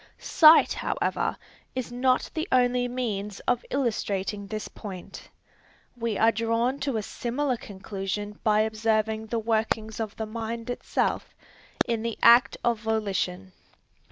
Sight however is not the only means of illustrating this point. We are drawn to a similar conclusion by observing the workings of the mind itself, in the act of volition.